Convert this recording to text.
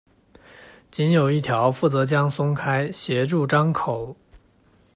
仅有一条负责将松开，协助张口。